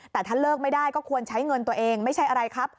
แต่ถ้าเลิกไม่ได้ก็ควรใช้เงินตัวเองไม่ใช่อะไรครับ